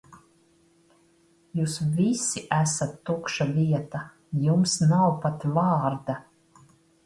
Jūs visi esat tukša vieta, jums nav pat vārda.